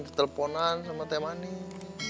teteleponan sama teh manis